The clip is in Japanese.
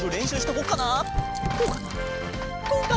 こうかな？